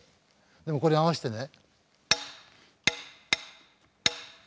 でもこれに合わせてね。